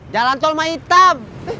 jalan tol mah hitam